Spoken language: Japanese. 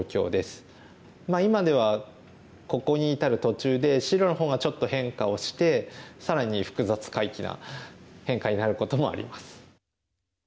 今ではここに至る途中で白の方がちょっと変化をして更に複雑怪奇な変化になることもあります。